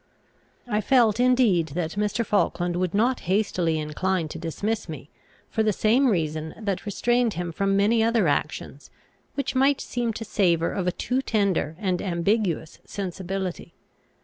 I felt indeed that Mr. Falkland would not hastily incline to dismiss me, for the same reason that restrained him from many other actions, which might seem to savour of a too tender and ambiguous sensibility.